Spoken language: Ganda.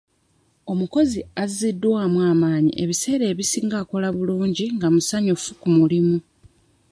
Omukozi azziddwamu amaanyi ebiseera ebisinga akola bulungi nga musanyufu ku mulimu.